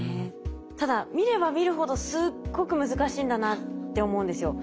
ただ見れば見るほどすっごく難しいんだなって思うんですよ。